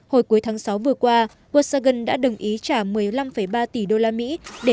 hồi cuối tháng sáu vừa qua volkswagen đã đồng ý trả một mươi năm ba tỷ usd